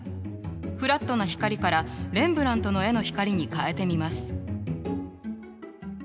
フラットな光からレンブラントの絵の光に変えてみます。